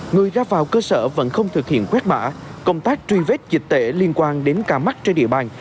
người ra vào cơ sở vẫn không thực hiện quét mã công tác truy vết dịch tễ liên quan đến ca mắc trên địa bàn